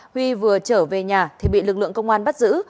huy vừa trở về nhà thì bị lực lượng công an bắt giữ